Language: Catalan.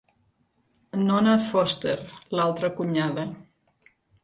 Nona Foster - l'altra cunyada.